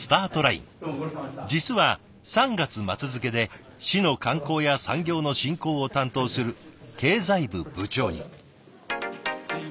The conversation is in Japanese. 実は３月末付けで市の観光や産業の振興を担当する経済部部長に。